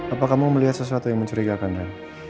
apa kamu melihat sesuatu yang mencurigakan dan